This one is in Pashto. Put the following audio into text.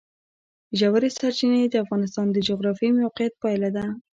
ژورې سرچینې د افغانستان د جغرافیایي موقیعت پایله ده.